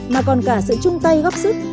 mà còn cả sự chung tay góp sức